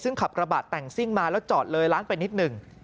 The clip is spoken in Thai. ซึ่งขับกระบะแต่งซิ่งมาแล้วจอดเลยร้านไปนิดหนึ่ง